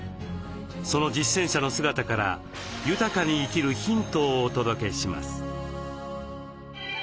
その実践者の姿から豊かに生きるヒントをお届けします。